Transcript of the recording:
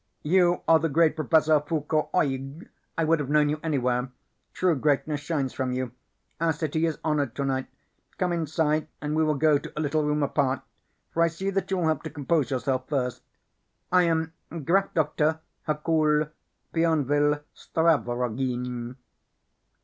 "You are the great Professor Foulcault Oeg? I would have known you anywhere. True greatness shines from you. Our city is honored tonight. Come inside and we will go to a little room apart, for I see that you will have to compose yourself first. I am Graf Doktor Hercule Bienville Stravroguine."